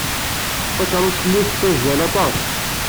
Takeṛṛust-nni tettazzal aṭas.